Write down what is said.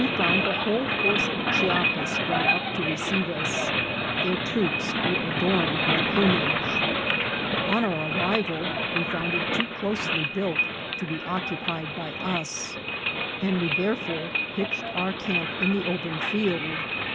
"We found the whole force of Chiapas drawn up to receive us. Their troops were adorned with plumage." " On our arrival we found it too closely built to be 452 INCIDENTS OF TRAVEL. safely occupied by us, and we therefore pitched our camp in the open field.